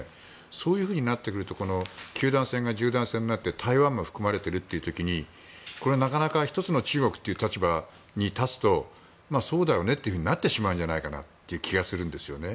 そういうふうになってくると九段線が十段線になって台湾も含まれてるという時になかなか一つの中国という立場に立つとそうだよねというふうになってしまう気がするんですね。